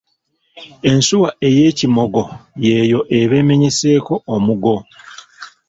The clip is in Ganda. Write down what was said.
Ensuwa ey’ekimogo y’eyo eba emenyeseeko omugo.